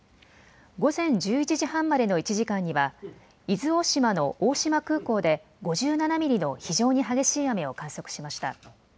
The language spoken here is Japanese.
午前１１時半までの１時間には伊豆大島の大島空港で５７ミリの非常に激しい雨を観測しました。